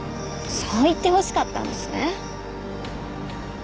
そう言ってほしかったんですね。